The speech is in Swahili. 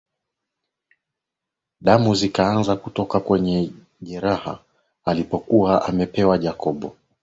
Damu zikaanza kutoka kwenye jeraha alilokua amepewa Jacob